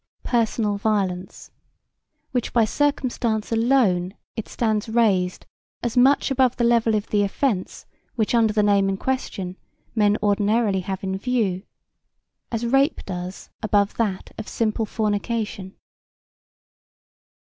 Personal violence, by which circumstance alone it stands raised as much above the level of the offence which under the name in question men ordinarily have in view as rape does above that of simple fornication.